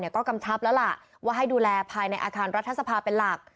ก็กำชับแล้วล่ะว่าให้ดูแลภายในอาคารรัฐสภาเป็นหลัก